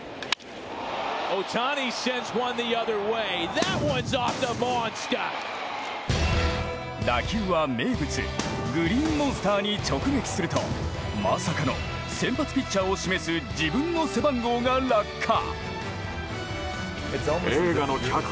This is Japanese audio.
大谷の放った打球は名物グリーンモンスターに直撃するとまさかの、先発ピッチャーを示す自分の背番号が落下。